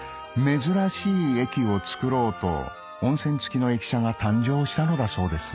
珍しい駅を造ろうと温泉付きの駅舎が誕生したのだそうです